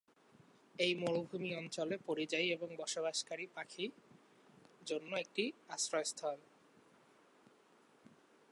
এই মরুভূমি অঞ্চলে পরিযায়ী এবং বসবাসকারী পাখি জন্য একটি আশ্রয়স্থল।